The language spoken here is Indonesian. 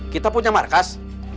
kita punya markas